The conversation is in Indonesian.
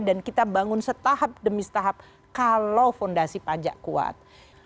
dan kita bangun setahap demi setahap kalau fondasi pajak kuat